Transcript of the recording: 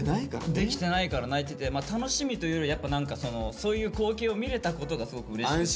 できてないから泣いてて楽しみというよりやっぱ何かそのそういう光景を見れたことがすごくうれしくて。